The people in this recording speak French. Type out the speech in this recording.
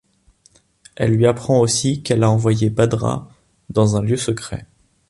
Elle lui apprend aussi qu'elle a envoyé Bhadra dans un lieu secret.